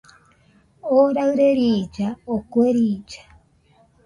Oo raɨre riilla, o kue riilla